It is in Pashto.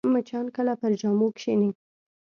مچان کله پر جامو کښېني